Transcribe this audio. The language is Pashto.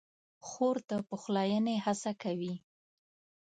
خور د پخلاینې هڅه کوي.